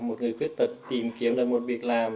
nếu mà một người quyết tật tìm kiếm được một việc làm